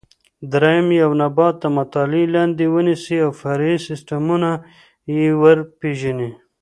درېیم: یو نبات د مطالعې لاندې ونیسئ او فرعي سیسټمونه یې وپېژنئ.